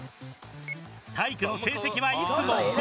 体育の成績はいつも「５」。